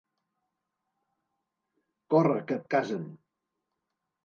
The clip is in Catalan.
Corre, que et casen.